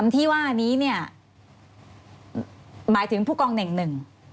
ที่ว่านี้เนี่ยหมายถึงผู้กองเน่งหนึ่ง